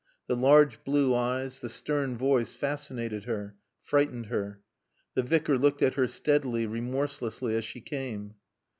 The large blue eyes, the stern voice, fascinated her, frightened her. The Vicar looked at her steadily, remorselessly, as she came.